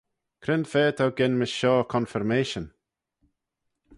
Cre'n fa t'ou genmys shoh confirmation?